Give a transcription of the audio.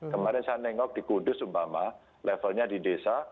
kemarin saya nengok di kudus umpama levelnya di desa